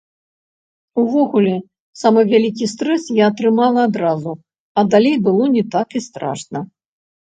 Увогуле, самы вялікі стрэс я атрымала адразу, а далей было не так і страшна.